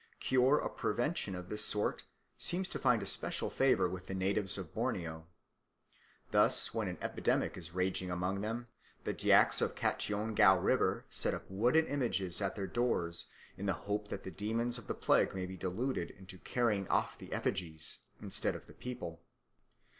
Cure or prevention of this sort seems to find especial favour with the natives of Borneo. Thus, when an epidemic is raging among them, the Dyaks of the Katoengouw River set up wooden images at their doors in the hope that the demons of the plague may be deluded into carrying off the effigies instead of the people.